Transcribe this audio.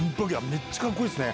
めっちゃかっこいいっすね。